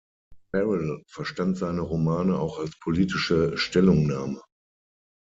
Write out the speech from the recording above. Farrell verstand seine Romane auch als politische Stellungnahme.